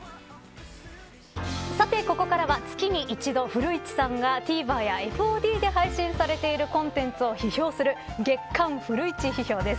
さて、ここからは月に１度古市さんがＴＶｅｒやＦＯＤで配信されているコンテンツを批評する月刊フルイチ批評です。